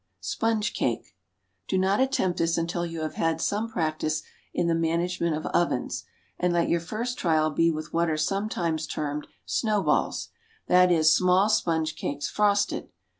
Sponge Cake. Do not attempt this until you have had some practice in the management of ovens, and let your first trial be with what are sometimes termed "snow balls,"—that is, small sponge cakes, frosted.